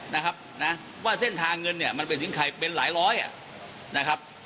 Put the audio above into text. นะครับนะว่าเส้นทางเงินเนี่ยมันไปถึงใครเป็นหลายร้อยอ่ะนะครับ